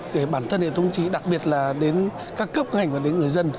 để bản thân hệ thống chỉ đặc biệt là đến các cấp ngành và đến người dân